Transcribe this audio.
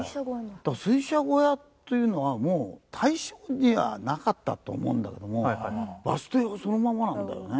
水車小屋というのはもう大正にはなかったと思うんだけどもバス停はそのままなんだよね。